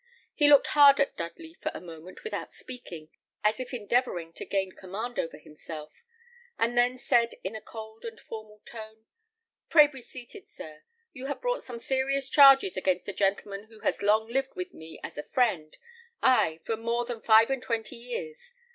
He looked hard at Dudley for a moment without speaking, as if endeavouring to gain command over himself, and then said, in a cold and formal tone, "Pray be seated, sir. You have brought some serious charges against a gentleman who has long lived with me as a friend, ay, for more than five and twenty years.